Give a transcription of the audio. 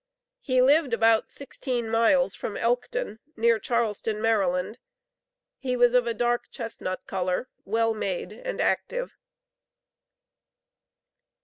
He lived about sixteen miles from Elkton, near Charleston, Maryland. He was of a dark chestnut color, well made, and active.